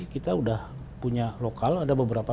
kita sudah punya lokal ada beberapa